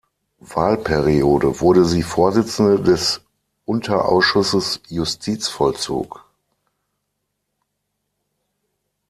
Wahlperiode wurde sie Vorsitzende des Unterausschusses Justizvollzug.